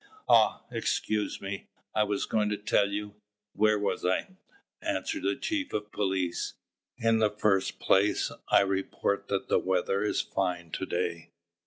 "Ah, excuse me! I was going to tell you where was I?" answered the chief of police. "In the first place, I report that the weather is fine to day."